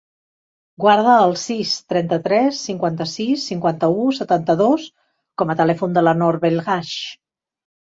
Guarda el sis, trenta-tres, cinquanta-sis, cinquanta-u, setanta-dos com a telèfon de la Nor Belhaj.